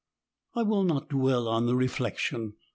I will not dwell on the reflection.